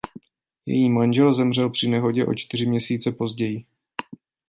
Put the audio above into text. Její manžel zemřel při nehodě o čtyři měsíce později.